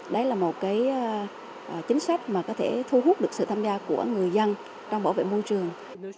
đấy là một chính sách mà có thể thu hút được sự tham gia của người dân trong bảo vệ môi trường